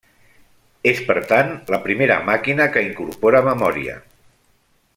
És per tant la primera màquina que incorpora memòria.